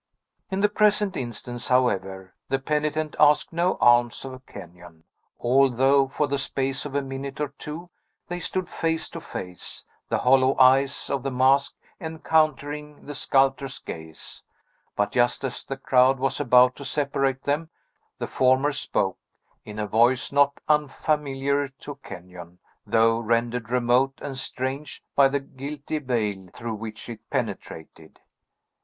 In the present instance, however, the penitent asked no alms of Kenyon; although, for the space of a minute or two, they stood face to face, the hollow eyes of the mask encountering the sculptor's gaze. But, just as the crowd was about to separate them, the former spoke, in a voice not unfamiliar to Kenyon, though rendered remote and strange by the guilty veil through which it penetrated.